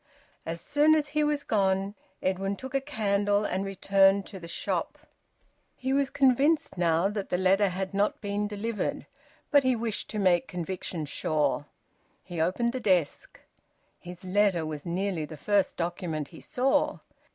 As soon as he was gone Edwin took a candle and returned to the shop. He was convinced now that the letter had not been delivered, but he wished to make conviction sure. He opened the desk. His letter was nearly the first document he saw.